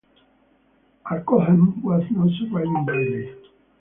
Arkholme has no surviving bailey.